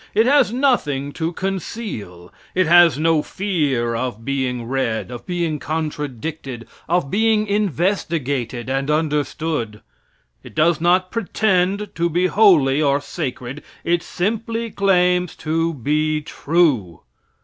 It has nothing to conceal. It has no fear of being read, of being contradicted, of being investigated and understood. It does not pretend to be holy or sacred, it simply claims to be true.